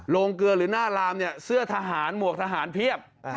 โรงเกลือหรือหน้าลามเนี่ยเสื้อทหารหมวกทหารเพียบ